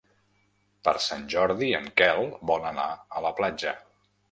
Per Sant Jordi en Quel vol anar a la platja.